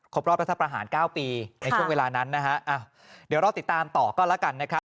รอบรัฐประหาร๙ปีในช่วงเวลานั้นนะฮะอ้าวเดี๋ยวรอติดตามต่อก็แล้วกันนะครับ